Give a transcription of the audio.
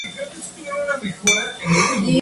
Se llega aquí desde La Aguilera, tomando un camino.